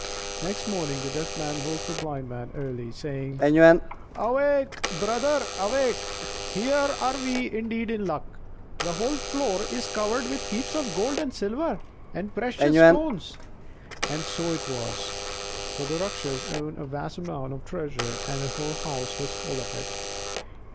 Next morning the Deaf Man woke the Blind Man early, saying: "Awake, brother, awake: here we are indeed in luck! The whole floor is covered with heaps of gold and silver and precious stones." And so it was, for the Rakshas owned a vast amount of treasure, and the whole house was full of it.